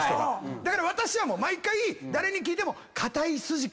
だから私は毎回誰に聞いても。